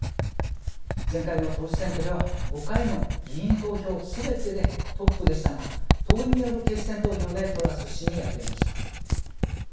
前回の党首選挙では５回の議員投票すべてでトップでしたが党員による決選投票でトラス氏に敗れました。